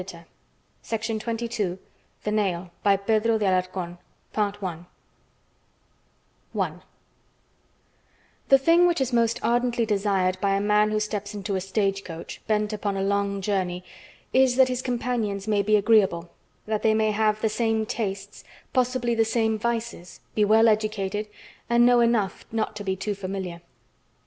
The people blessed Zadig, and Zadig blessed Heaven. PEDRO DE ALARÇON The Nail I The thing which is most ardently desired by a man who steps into a stagecoach, bent upon a long journey, is that his companions may be agreeable, that they may have the same tastes, possibly the same vices, be well educated and know enough not to be too familiar.